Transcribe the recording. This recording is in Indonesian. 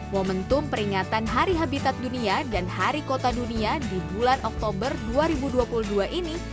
momentum peringatan hari habitat dunia dan hari kota dunia di bulan oktober dua ribu dua puluh dua ini